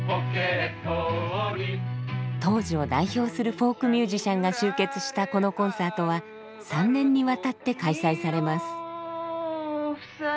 当時を代表するフォークミュージシャンが集結したこのコンサートは３年にわたって開催されます。